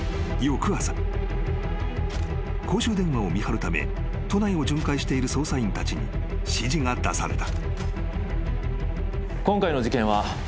［公衆電話を見張るため都内を巡回している捜査員たちに指示が出された］